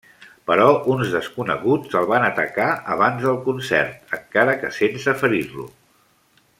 Però uns desconeguts el van atacar abans del concert, encara que sense ferir-lo.